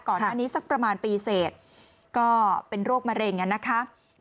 ก่อนหน้านี้สักประมาณปีเสร็จก็เป็นโรคมะเร็งนะคะ